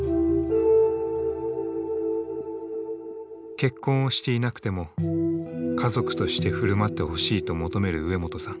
結婚をしていなくても家族として振る舞ってほしいと求める植本さん。